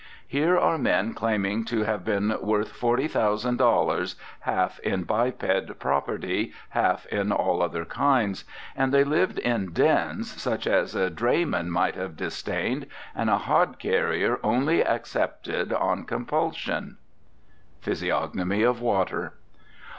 Here are men claiming to have been worth forty thousand dollars, half in biped property, half in all other kinds, and they lived in dens such as a drayman would have disdained and a hod carrier only accepted on compulsion. PHYSIOGNOMY OF WATER.